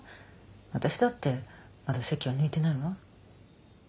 私だってまだ籍は抜いてないわ。